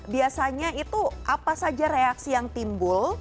biasanya itu apa saja reaksi yang timbul